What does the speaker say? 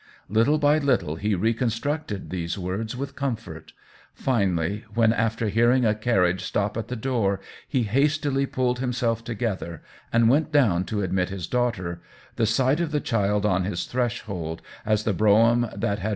Little by little he reconstructed these words with comfort ; finally, when after hearing a carriage stop at the door he hastily pulled himself together and went down to admit his daughter, the sight of the child on his threshold, as the brougham that had.